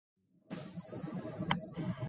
暖かいですね